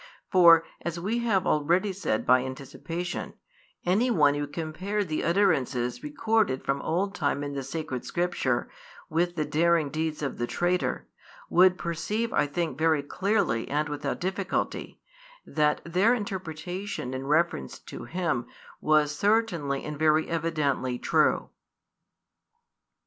For, as we have already said by anticipation, any one who compared the utterances recorded from old time in the sacred Scriptures with the daring deeds of the traitor, would perceive I think very clearly and without difficulty that their interpretation in reference to Him was certainly and very evidently true.